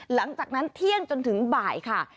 หลังจากนั้นเที่ยงจนถึงบ่ายค่ะ